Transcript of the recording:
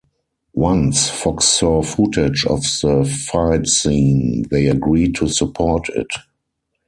Once Fox saw footage of the fight scene, they agreed to support it.